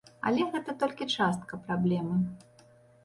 Але гэта толькі частка праблемы.